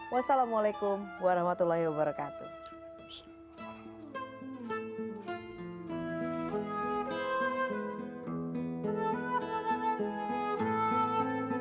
wassalamualaikum warahmatullahi wabarakatuh